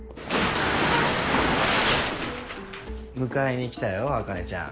迎えに来たよ茜ちゃん。